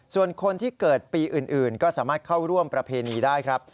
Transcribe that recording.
ส่วนคนที่เกิดปีอื่นก็สามารถเข้าร่วมประเพณีได้ครับ